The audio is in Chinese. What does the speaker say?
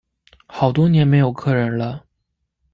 好多年没有客人了